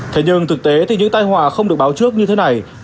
thế nhưng thực tế thì những tai hòa không được báo trước như thế này